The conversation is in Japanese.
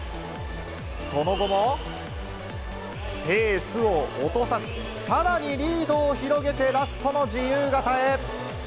その後も、ペースを落とさず、さらにリードを広げてラストの自由形へ。